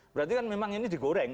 berarti kan memang ini digoreng